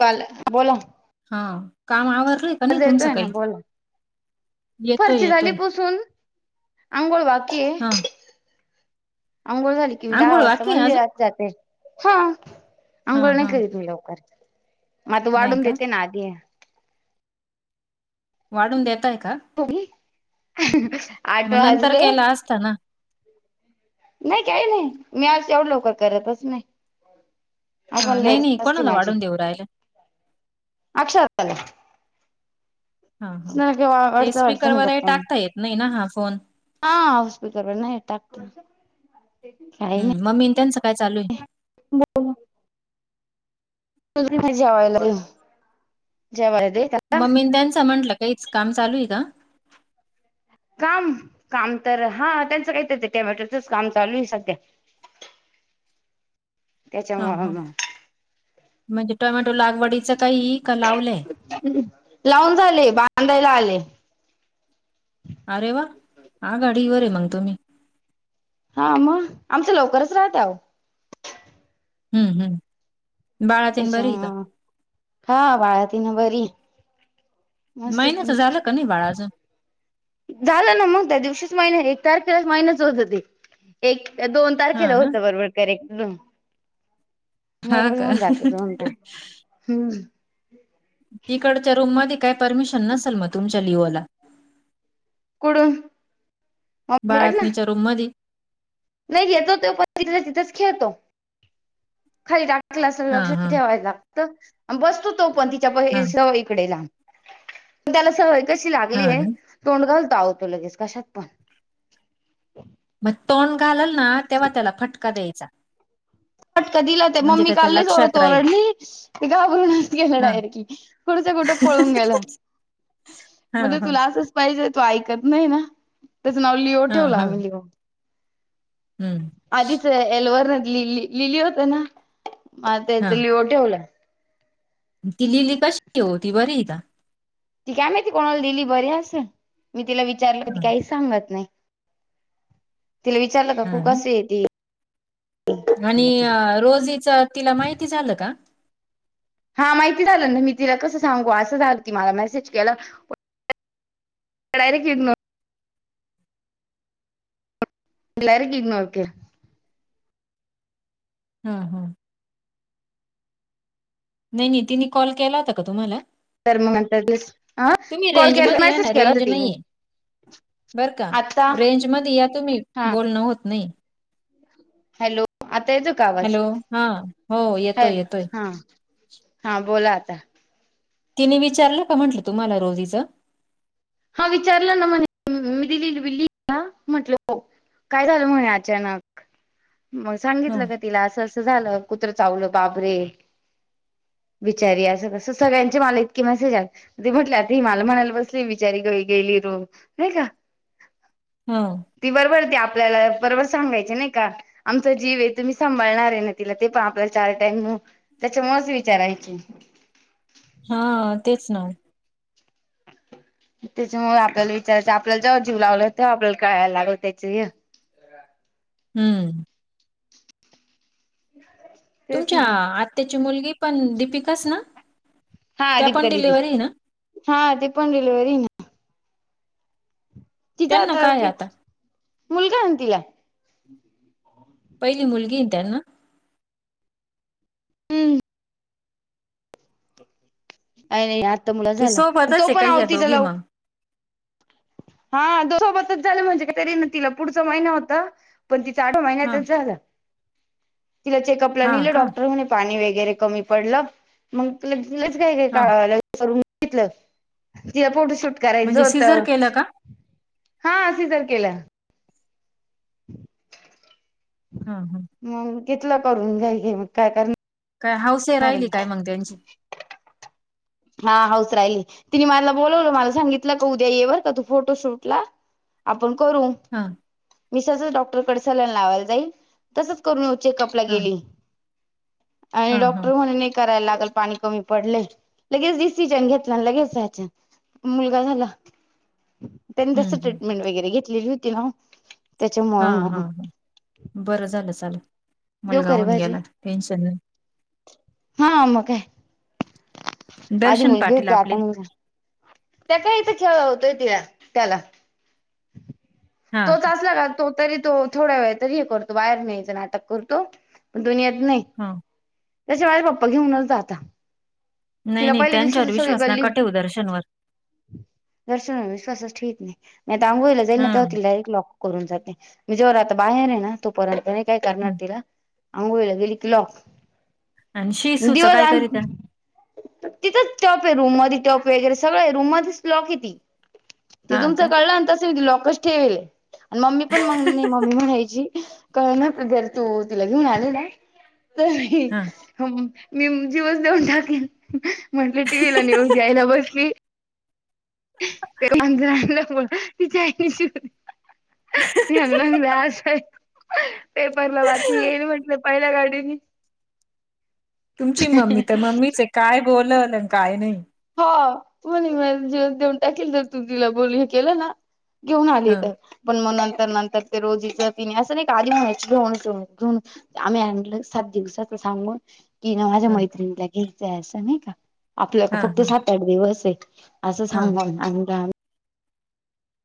काल बोला. हा काम आवरलंय का नाही तुमचं काही? येतोय फर्शी झाली येतोय पुसून आंघोळ बाकी आहे. हा अंघोळ झाली कि, मी दहा आंघोळ वाजता बाकी आहे अजून मंदिरात जाते. हां.. हा अंघोळ नाही हा करीत मी लवकर, मग आता नाही वाढून का देते ना आधी. वाढवून देताय का? तुम्ही आठ वाजले चला. नाही काही नाही. मी आज एवढं लवकर करतच नाही. हा अजून नाही घेत नाही असते कोणाला माझी वाढून देऊ राहिलं अच्छा [unintelligible] [unintelligible] हा हा ते स्पीकर वगैरे गप्पा मग टाकता येत नाही ना हा फोन हा स्पीकरवर नाही टाकते. काही हम्म नाही मम्मी आणि त्यांचं काय चालू आहे? [unintelligible] तु दे जेवायला, जेवायला दे [unintelligible] मग मी त्यांच म्हटलं काहीच काम चालू आहे का? काम काम तर हा त्यांचं काहीतर ते टोमॅटोच काम चालू आहे सध्या. [inaudible] हा त्याच्यामुळे हा. मग म्हणजे टोमॅटो लागवडीच काही का लावलंय? हम्म. लावून झाले, बांधायला आले. अरे वा, आघाडीवर आहे मग तुम्ही. हा मग, आमचं लवकरच राहत अहो. हम्म हम्म. बाळातीन त्याच्या बरी आहे का हा.. बाळतिन बरी. मस्त महिन्याच झालं का नाही बाळं अजून? झालं ना मग त्या दिवशीच महिने एक तारखेला मायनस होत ते. एक दोन हा तारखेला ना होत बरोबर करेक्ट. मग बर हा का होऊन जात [unintelligible] हम्म. तिकडच्या रूममध्ये काय परमिशन नसेल मग तुमच्या लिओला. कुठून? बाळतनीच्या रूममधी. नाही येतो तो, पण तिथल्या तिथच खेळतो. खाली टाक तेला असं हा लक्ष हा ठेवाय लागतं आणि बसतो तो पण तिच्या हा सवय इकडे लांब. त्याला सवय कशी हा लागली आहे, ना तोंड घालतो अहो तो लगेच कशात पण. मग तोंड घालाल ना तेव्हा त्याला फटका द्यायचा. फटका दिला ते म्हणजे मम्मी त्याच्या काल लई लक्षात जोरात राहील ओरडली. ते घाबरूनच गेलं हा डायरेक्टली की, कुठचं कुठं पळून गेला. हा म्हणजे हा तुला असंच पाहिजे, तू ऐकत नाही ना. त्याचं नाव लिओ हा ठेवलं हा आम्ही लिओ. हम्म आधीच एलवर [unintelligible] लिली लिली होते ना मग आता त्याच हा लिओ ठेवलंय. ती लिली कशी आहे ओ ती बरी आहे का? ती काय माहिती कोणाला दिली बरी असंन, मी तिला विचारलं तर ती हा काहीच सांगत नाही. तिला विचारलं का तू हा ना कशी आहे? आणि ती रोजीच तिला माहिती झालं का? हा माहिती झालं ना. मी तिला कसं सांगू असं झालं तीन मला मेसेज केला. मग डायरेक्ट इग्नोर. [unintelligible] हम्म हम्म. नाही नाही तिने कॉल केला होता का तुम्हाला? तर मग नंतर [unintelligible] अ तुम्ही कॉल रेंज केला मध्ये मेसेज केला होता तेंनी. बरं का रेंजमध्ये या तुम्ही, हा बोलणं होत नाही. हॅलो. आता येतोय का आवाज? हॅलो हा हो येतोय येतोय [unintelligible] हा. हा बोला आता. तिने विचारलं का म्हटलं तुम्हाला रोजीचं? हा विचारलं ना म्हणे मी दिलेली [unintelligible] म्हटलं हो. काय झालं म्हणे अचानक, मग हा सांगितलं का तिला असं असं झालं, कुत्र चावलं बाप रे. बिचारी असं कसं सगळ्यांचे मला इतके मेसेज आले. [unintelligible] म्हटलं आता ही मला म्हणायला बसली मी बेचारी घरी गेली [unintelligible] नाही का. हो. ती बरोबर ती आपल्याला बरोबर सांगायची. नाही का? आमचा जीव आहे तुम्ही सांभाळणार आहे ना तिला. ते पण आपला चार टाईम त्याच्यामुळंच विचारायची. हा तेच ना. त्याच्यामुळे आपल्याला विचारायचं आपल्याला, जेव्हा जीव लावला तेव आपल्याला कळायला लागल त्याच हे. हम्म. तेच तुमच्या... ना आत्याची मुलगी पन दिपिकाच ना हा त्या पण दीपिका दीदी डिलिव्हरी आहे ना हा ते पण डिलेव्हरी ना तिथे त्यांना तर काय ती आता मुलगा आहे न तिला पहिली मुलगी आहे ना त्यांना? हम. अं.. नाही आत्ता मुला ते झाला, तो सोबतच आहे पण का या आवतीचा दोघी लवकर. मग हा दोघासोबतच झाले म्हणजे कायतरी म तिला पुढचा महिना होतो. पण तिचा आठ हा महिन्यातच झाला, तिला चेकअपला हा नेलं का डॉक्टर म्हणे पाणी वगैरे कमी पडलं, मग ते लयच लयच हा कळाय लागलं. सगळी इथलच. त्या पावटी शूट करायचं म्हणजे सिझर होतं. केलं का हा सिजर केलं. [inaudible] हा हा. मग घेतलं करून घाई घाईत मग काय करणार काय हौसे राहिली काय मग त्यांची. मां हाऊस राहिली. तिने मला बोलावलं मला सांगितलं का उद्या ये बरंका तू फोटो शूट ला आपण करू. हा. मी सहजच डॉक्टरकडे सलाईन लावायला जाईल, तसंच करून येऊ चेकअपला हा गेली. आणि हा हा डॉक्टर म्हणे नाही करायला लागल पाणी कमी पडलय लगेच डिसिजन घेतला लगेचयच मुलगा झाला त्यांनी त्याचा हम्म ट्रीट मेंट वगैरे घेतलेली होती ना. त्याच्यामुळे हां मग हां हां बरं झालं चालं देऊ का रे मुलगाहून भाजी गेला टेन्शन नाही हा मग काय आधी दर्शन मुलगी पाटील होती आपले आता मुलगा त्याच्या इथे खेळ होते त्या त्याला, हा तोच का असला ना तो तरी तो थोडा वेळ तरी हे करतो, बाहेर न्यायचं नाटक करतो. पण तो नेत न्हाय. हा. त्याचे आई पप्पा घेऊनच जाता. नाही तिला नाही त्यांच्यावर विश्वास नका ठेऊ दर्शनवर. दर्शनवर विश्वासच ठेवत नाही. मी आता अंघोळीला हा जाईल तवा तिला एक लॉक. करून जाते मी जोवर आता बाहेर एना तोपर्यंत नाही काय करणार हं तिला अंघोळीला गेली की लॉक. आणि शिसूच देव काय जाण करीता? तिथंच टप ए रूम मदि टप वगैरे सगळं आहे रूम मध्येच लॉक ए ती ते हा का? तुमचं कळलन तस एक लॉकच ठेवेले आणि मम्मी पण मग मम्मी म्हणायची कळ ना जर तू तिला घेऊन आली नाइ... तर ही हा. हो मी जीवस देऊन टाकला, म्हंटले टीव्हीला निेऊज घ्यायला बसली. [unintelligible] [unintelligible] पेपरला वा ची येईल म्हटलं पहिल्या गाडीनी तुमची मम्मी तर मम्मीच ए काय बोलल काय नही हो [unintelligible] जीवच देऊन टाकेल ना, तु तिला बोलीव केलं ना? घेऊन आले हं तर, पण मग नंतर नंतर ते रोजीच तिने असं नाही आलीच म्हणायची घेऊन सून घेऊन आम्ही आणलं सात दिवसाचा सांगून. कि ना माझ्या हं मैत्रिणीला घ्यायचंय असं नाही का आपल्या हां फक्त हां सात आठ दिवस आहे असं हां सांग [unintelligible]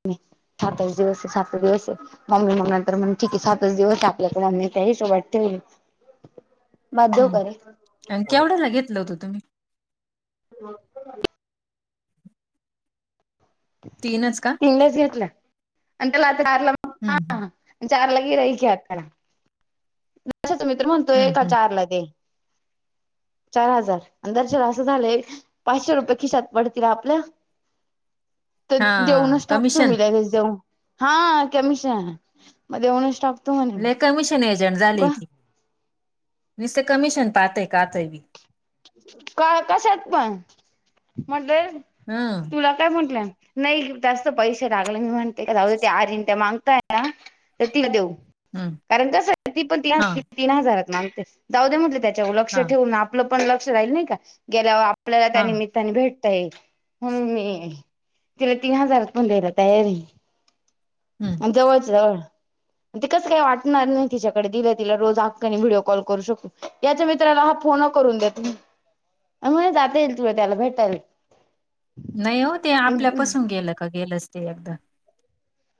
मी सातच दिवस हाय, सात दिवस. मम्मी म्हणाली तर म्हणाती की सातच दिवस आपल्याकडे नेता हे सगळं आत ठेवू. [inaudible] मधू करे आणिकेवढ्याला घेतल होतं तुम्ही [inaudible] तीनच का? [unintelligible] हं हं [inaudible] तसा तो मित्र म्हणतोय हं हं चार लागेल. चार हजार धनंजय असं झालंय, पाचशे रुपये खिशात पडतील आपल्या. [inaudible] तेच हां देऊनच टाकतो कमिशन मी लगेच देऊन. हा कमिशन, म देऊनच टाकतो म्हणे. लय कमिशन एजंट झाली मी ती निसत कमिशन पाहतय का तय ती. का कशत पण म्हटले. हम्म. त्या काय म्हटल्या नई जास्त काय पैसे लागले नई ते काय राहू दे आजी ते मागताय. तर तिला देऊ हं कारण कस ती पण ती अस. हां तीन हजारात मागते, जाऊदे म्हटले त्याच्या व लक्ष हां ठेऊ ना आपलं पण लक्ष राहील नई का गेल्यावर आप आपल्याला त्या हां निमित भेटताय म मी तिला तीन हजार पण द्यायला तयारी [unintelligible] हं अन जवळच. तिकं काही वाटणार नाही तिच्याकडे दिलं तीला रोज हक्काने व्हिडिओ कॉल करू शक याच्या मित्राना मग फोन करून द्या तुम्ही. त्यामुळं जाता येईल तुला त्याला भेटायला. नई ओ ते आपल्या पासून गेलं का, गेलच ते एकदा.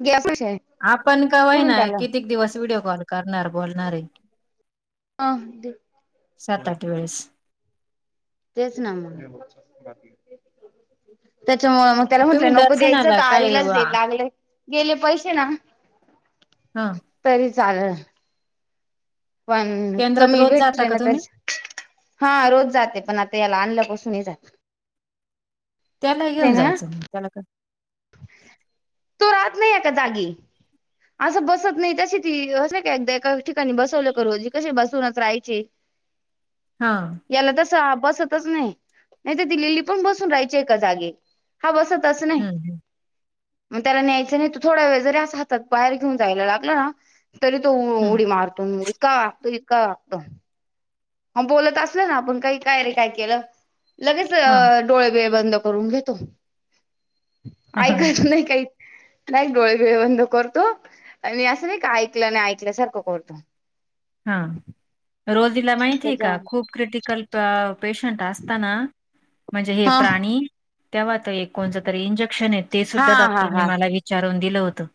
ग्याफूश पाशी पैसे. आपण कवा एना कित्येक दिवस व्हिडिओ कॉल करणार बोलणार ए? आ देऊ. वेळेस तेच ना म, त्याच्यामुळे मग त्याला तुम्ही म्हंटलं नको द्यायचं दर्शनाला त काय आईलाच दे, लागलंय गेले पैशे ना. हा तरी चालेल. पण केंद्रात कमी रोज जाता भेटले का ना तर. तुम्ही हा रोज जाते, पण आता याला आणल्यापासून ‌नई जात. त्याला घेऊन ना जायचं त्याला काय. तू राहत नाई‌ए का जागी? असं बसत नाही तशी ती असं का एकदा एका ठिकाणी बसवलं करूजे कसे बसवूनच राहायचे [unintelligible] हा. याला तसं बसतच नाही, नाही तर दिल्लीली पण बसून राहायची एका जागी. हा बस तस नाही हम्म मग त्याला न्यायचं नाही त थोडा वेळ जरी असं हातात बाहेर घेऊन जायला लागलं ना. तरी तो हम्म उडी मारतो, उगीच का कधी का असं. म बोलत असलो ना आपण का काय रे काय केलं? लगेच हा डोळे बीळे बंद करून घेतो, हा ऐकत नई‌ काही. लई डोळे बीळे बंद करतो आणि असं नई का ऐकलं न ऐकल्यासारखं करतो. हा रोजीला माहितीय त्याच्या का खूप क्रिटिकल पा-पेशंट असताना. म्हणजे हे हा. प्राणी, तेव्हा तो एक. कोणतं तरी इंजेक्शन आहे ते हा सुद्धा हा डॉक्टरने हा मला विचारून दिलं होतं.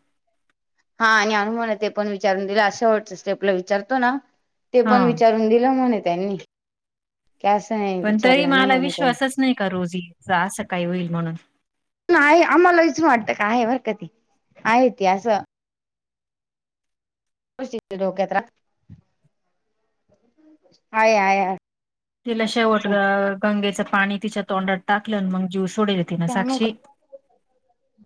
हा आणि अनु म्हला ते पण विचारून दिलं, असं शेवटच्या वेळेस विचारतो ना? ते हा पण विचारून दिलं म्हणे त्यांनी, केस हे. पण तरि‌ माला विश्वासच नई का रोजीचा असं काय होईल म्हणून. आहे आम्हाला विचून वाटतं का आहे बर का ती आहे ती असं. नशीब ते डोक्यात रा, हाय हाय हाय. तिला शेवट गंगेचं पाणी तिच्या तोंडात टाकलं आणि मग जीव सोडेल तिन साक्षी. [inaudible]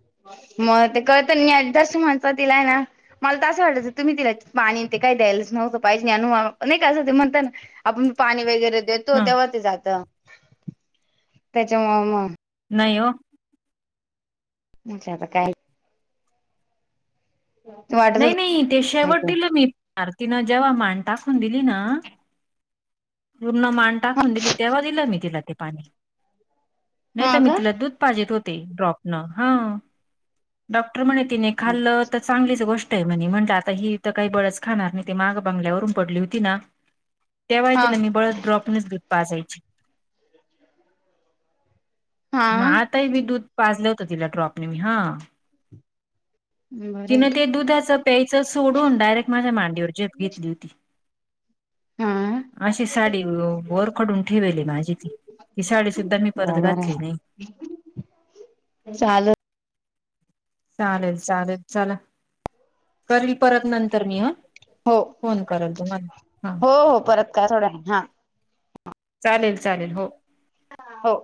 मग ते कळत जास् [unintelligible] म्हणत दीलाय ना मला तर असं वाटायचं तुम्ही तिला पाणी ते काय द्यायच नव्हतं पाहिजे, अला नाही का असं ते म्हणता ना. आपण पाणी वगैरे देतो ह तेव्हा ते जात, त्याच्या मूळ म नई ओ‌. म्हटले आता काय नाही वाटत नाही ते शेवट होत दिलं मी आरतीनं जेव्हा माण टाकून दिली ना पूर्ण मान टाकून दिली तेव्हा दिलं मी तिला ते पाणी. नाही तर हा मी का तिला दूध पाजीत होते ड्रॉपन हा. डॉक्टर म्हणे तिन खाल्लं तच चांगलीच गोष्ट आहे म्हणे म्हटलं आता ही तर काही बळच खाणार नाही ते माग बांंगल्यावरून पडली होती ना त्यावेळी हा तिला मी बळस ड्रॉपनेच देत पाजायची. हा मग आताही मी दूध पाजलं होत तिला ड्रॉपने मी हा. बरे तिनं ते दुधाचं प्यायचं सोडून डायरेक्ट माझ्या मांडीवरती जेप घेतली होती. हा अशी साडी वोरखडून ठेवेली माझी ती. ती साडी सुद्धा मी परत घातली नाही. चालत. चालेल चालेल चला. करील परत नंतर मी हं. हो हो हो परत करा थोड्या वेळानहा. चालेल चालेल हो. हो.